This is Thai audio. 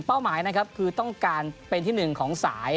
หมายนะครับคือต้องการเป็นที่หนึ่งของสาย